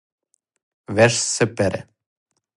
Веш се пере.